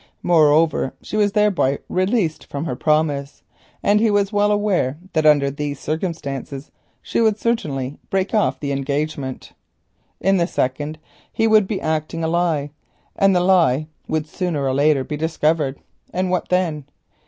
Moreover, Ida was thereby released from her promise, and he was well aware that under these circumstances she would probably break off the engagement. In the second, he would be acting a lie, and the lie would sooner or later be discovered, and what then?